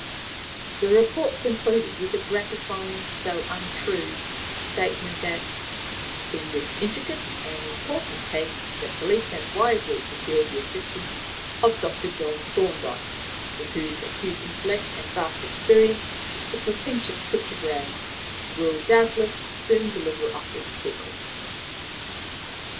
The report concluded with the gratifying though untrue statement that "in this intricate and important case, the police have wisely secured the assistance of Dr. John Thorndyke, to whose acute intellect and vast experience the portentous cryptogram will doubtless soon deliver up its secret."